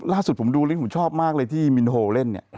ล่าสุดผมดูลิงผมชอบมากเลยที่มินโฮเล่นเนี่ย